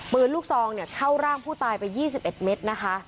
ปืนลูกซองเข้าร่างผู้ตายไป๒๑เมตรนะคะ